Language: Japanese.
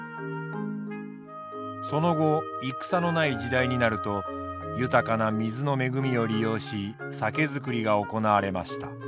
その後戦のない時代になると豊かな水の恵みを利用し酒造りが行われました。